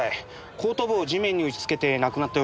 後頭部を地面に打ちつけて亡くなったようです。